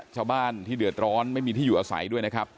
ชาวบ้านที่เดือดร้อนไม่มีที่อยู่อาศัยด้วยนะครับ